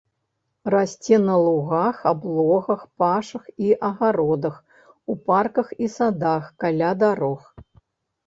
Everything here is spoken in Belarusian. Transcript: Расце на лугах, аблогах, пашах і агародах, у парках і садах, каля дарог.